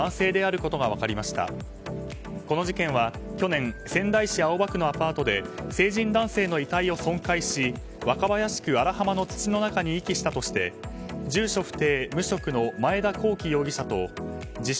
この事件は仙台市青葉区のアパートで成人男性の遺体を損壊し若林区荒浜の土の中に遺棄したとして住所不定・無職の前田広樹容疑者と自称